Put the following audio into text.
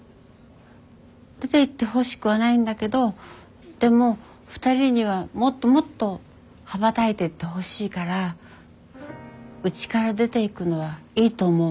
出ていってほしくはないんだけどでも２人にはもっともっと羽ばたいてってほしいからうちから出ていくのはいいと思う。